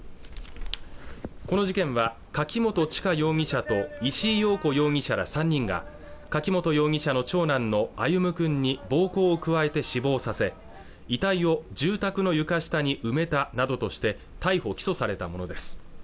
この事件は柿本知香容疑者と石井陽子容疑者ら３人が柿本容疑者の長男の歩夢君に暴行を加えて死亡させ遺体を住宅の床下に埋めたなどとして逮捕・起訴されたものです